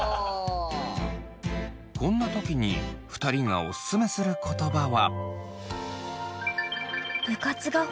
こんな時に２人がオススメする言葉は。